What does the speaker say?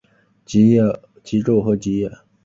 极昼和极夜。